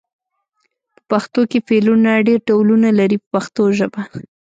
په پښتو کې فعلونه ډېر ډولونه لري په پښتو ژبه.